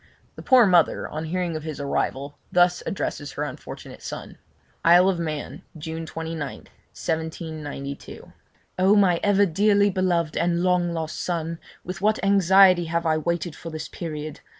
The poor mother, on hearing of his arrival, thus addresses her unfortunate son: 'Isle of Man, June 29th, 1792. 'Oh! my ever dearly beloved and long lost son, with what anxiety have I waited for this period!